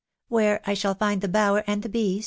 " Where I shall find the bower and the bees